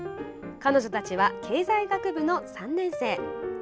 彼女たちは経済学部の３年生。